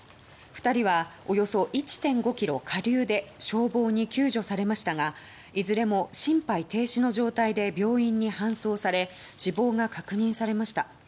２人はおよそ１．５ｋｍ下流で消防に救助されましたがいずれも心肺停止の状態で病院に搬送され死亡が確認されました。